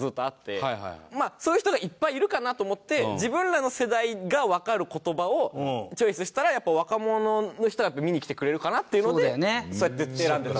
まあそういう人がいっぱいいるかなと思って自分らの世代がわかる言葉をチョイスしたらやっぱ若者の人が見に来てくれるかなっていうのでそうやって選んで。